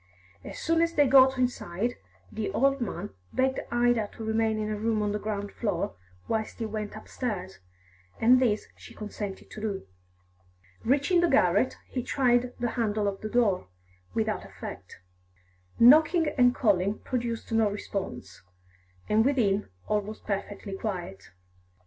As soon as they got inside, the old man begged Ida to remain in a room on the ground floor whilst he went upstairs, and this she consented to do. Reaching the garret, he tried the handle of the door, without effect. Knocking and calling produced no response, and within all was perfectly quiet.